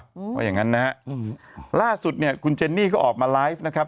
เพราะอย่างงั้นนะฮะอืมล่าสุดเนี่ยคุณเจนนี่ก็ออกมาไลฟ์นะครับ